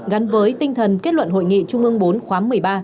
gắn với tinh thần kết luận hội nghị trung ương bốn khóa một mươi ba